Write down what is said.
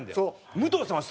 武藤さんはね。